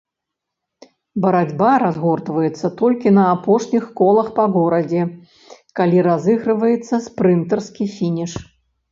Барацьба разгортваецца толькі на апошніх колах па горадзе, калі разыгрываецца спрынтарскі фініш.